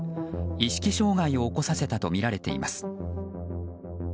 意識障害を起こさせたとみられています。